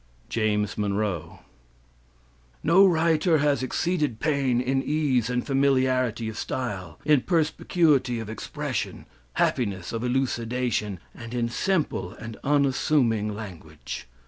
James Monroe" "No writer has exceeded Paine in ease and familiarity of style, in perspicuity of expression, happiness of elucidation, and in simple and unassuming language.